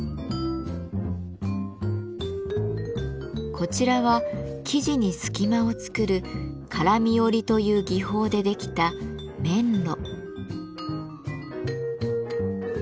こちらは生地に隙間を作る「からみ織」という技法でできた「綿絽」。